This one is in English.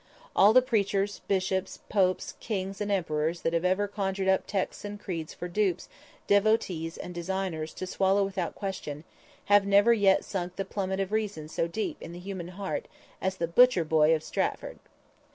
All the preachers, bishops, popes, kings, and emperors that have ever conjured up texts and creeds for dupes, devotees and designers to swallow without question, have never yet sunk the plummet of reason so deep in the human heart as the butcher boy of Stratford!